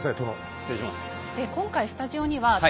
失礼します。